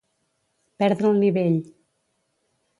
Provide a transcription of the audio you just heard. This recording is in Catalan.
Perdre el nivell.